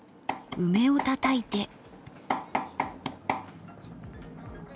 梅をたたいて。